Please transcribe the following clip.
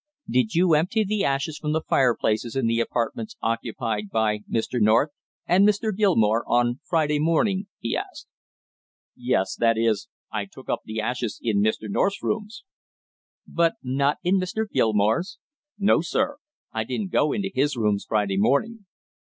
"Did you empty the ashes from the fireplaces in the apartments occupied by Mr. North and Mr. Gilmore on Friday morning?" he asked. "Yes; that is, I took up the ashes in Mr. North's rooms." "But not in Mr. Gilmore's?" "No, sir, I didn't go into his rooms Friday morning."